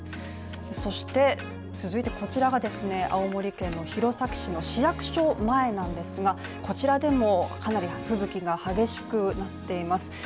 そして続いてこちらが青森県の弘前市の市役所前なんですがこちらでもかなり吹雪が激しくなっています。